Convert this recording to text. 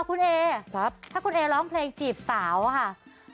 คุณเอถ้าคุณเอร้องเพลงจีบสาวอะค่ะ